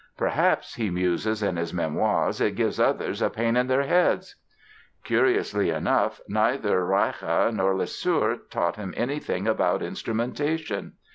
"Perhaps", he muses in his Memoirs, "it gives others a pain in their heads"! Curiously enough, neither Reicha nor Lesueur, taught him anything about instrumentation.